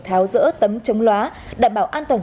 tháo rỡ tấm chống lóa đảm bảo an toàn